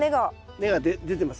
根が出てますね。